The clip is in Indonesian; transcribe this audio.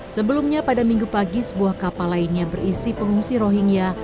sebelumnya pada minggu pagi sebuah kapal lainnya berisi pengungsi rohingya